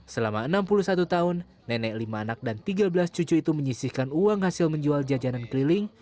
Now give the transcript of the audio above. selama enam puluh satu tahun nenek lima anak dan tiga belas cucu itu menyisihkan uang hasil menjual jajanan keliling